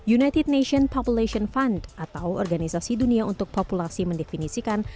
united nations population fund atau organisasi dunia untuk populasi mendefinisikan